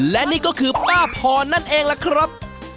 และนี่ก็คือป้าพรนั่นเองล่ะครับ